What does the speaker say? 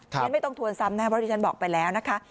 ฉันไม่ต้องทวนซ้ำนะเพราะที่ฉันบอกไปแล้วนะคะ